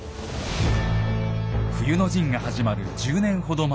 冬の陣が始まる１０年ほど前。